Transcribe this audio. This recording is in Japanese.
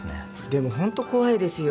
でもホント怖いですよ。